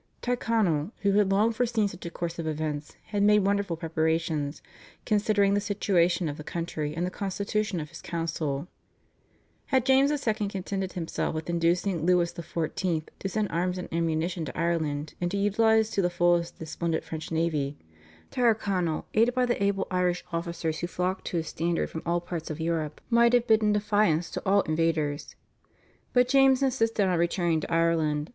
Tyrconnell, who had long foreseen such a course of events, had made wonderful preparations, considering the situation of the country and the constitution of his council. Had James II. contented himself with inducing Louis XIV. to send arms and ammunition to Ireland and to utilise to the fullest the splendid French navy, Tyrconnell, aided by the able Irish officers who flocked to his standard from all parts of Europe, might have bidden defiance to all invaders. But James insisted on returning to Ireland.